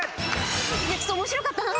いやちょっと面白かったな。